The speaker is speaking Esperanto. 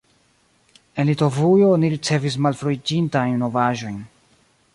En Litovujo ni ricevis malfruiĝintajn novaĵojn.